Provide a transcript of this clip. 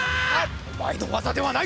お前の技ではない！